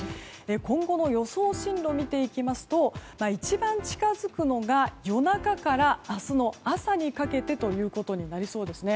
今後の予想進路を見ていきますと一番近づくのが夜中から明日の朝にかけてということになりそうです。